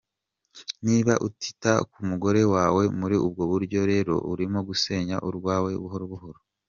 Niba utita ku mugore wawe muri ubwo buryo rero urimo gusenya urwawe buhoro buhoro.